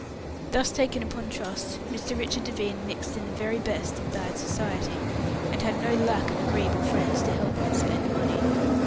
Thus taken upon trust, Mr. Richard Devine mixed in the very best of bad society, and had no lack of agreeable friends to help him to spend money.